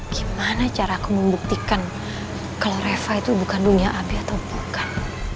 gimana cara aku membuktikan kalau reva itu bukan dunia abe atau bukan